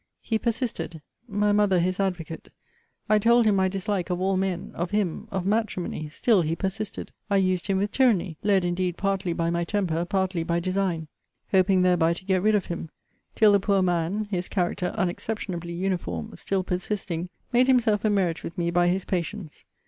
He persisted; my mother his advocate. I told him my dislike of all men of him of matrimony still he persisted. I used him with tyranny led, indeed, partly by my temper, partly by design; hoping thereby to get rid of him; till the poor man (his character unexceptionably uniform) still persisting, made himself a merit with me by his patience.